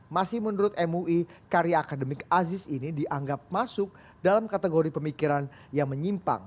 masih menurut mui karya akademik aziz ini dianggap masuk dalam kategori pemikiran yang menyimpang